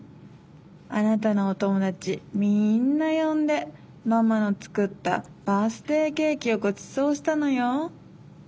あなたのおともだちみんなよんでママのつくったバースデーケーキをごちそうしたのよ。